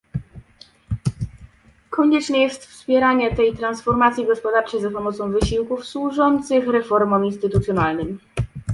Konieczne jest wspieranie tej transformacji gospodarczej za pomocą wysiłków służących reformom instytucjonalnym